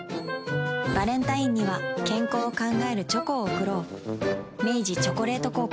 バレンタインには健康を考えるチョコを贈ろう明治「チョコレート効果」